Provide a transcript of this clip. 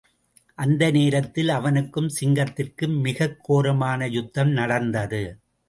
அந்த நேரத்தில் அவனுக்கும் சிங்கத்திற்கும் மிகக் கோரமான யுத்தம் நடந்தது.